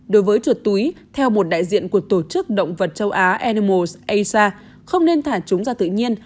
đối với chuột túi theo một đại diện của tổ chức động vật châu á anmos aic không nên thả chúng ra tự nhiên